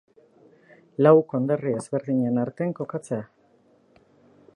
Lau konderri ezberdinen artean kokatzen da.